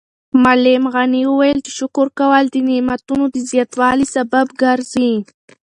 معلم غني وویل چې شکر کول د نعمتونو د زیاتوالي سبب ګرځي.